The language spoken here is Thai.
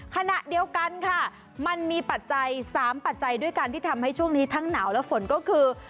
ขณะเดียวกันค่ะมันมีปัจจัย๓ปัจจัยด้วยกันที่ทำให้ช่วงนี้ทั้งหนาวและฝนก็คือ